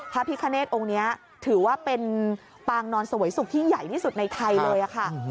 พระพิคเนธองค์นี้ถือว่าเป็นปางนอนเสวยสุขที่ใหญ่ที่สุดในไทยเลยค่ะ